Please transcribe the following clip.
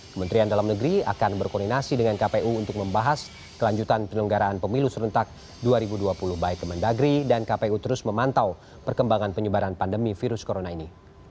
kementerian dalam negeri akan berkoordinasi dengan kpu untuk membahas kelanjutan penyelenggaraan pemilu serentak dua ribu dua puluh baik kemendagri dan kpu terus memantau perkembangan penyebaran pandemi virus corona ini